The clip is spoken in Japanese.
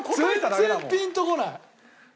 全然ピンと来ない。